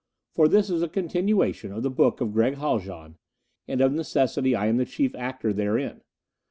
For this is a continuation of the book of Gregg Haljan, and of necessity I am the chief actor therein.